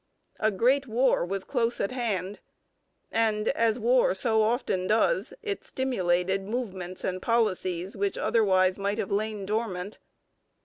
A great war was close at hand, and, as war so often does, it stimulated movements and policies which otherwise might have lain dormant.